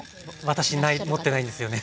私持ってないんですよね